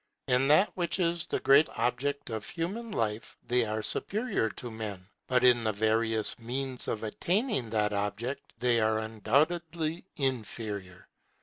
In that which is the great object of human life, they are superior to men; but in the various means of attaining that object they are undoubtedly inferior.